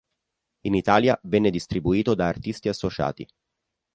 In Italia venne distribuito da Artisti Associati.